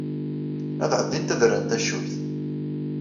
Ad ɛeddint ad rrent tacuyt.